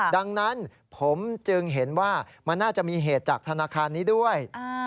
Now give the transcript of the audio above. ดังนั้นผมจึงเห็นว่ามันน่าจะมีเหตุจากธนาคารนี้ด้วย